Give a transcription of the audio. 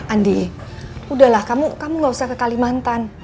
andi udahlah kamu gak usah ke kalimantan